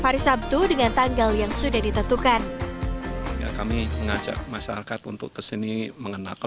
hari sabtu dengan tanggal yang sudah ditentukan kami mengajak masyarakat untuk kesini mengenakan